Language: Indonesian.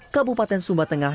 kabupaten sumba tengah